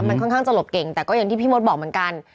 มันค่อนข้างจะหลบเก่งแต่ก็อย่างที่พี่มดบอกเหมือนกัน